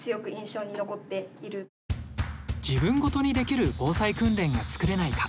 自分ごとにできる防災訓練が作れないか？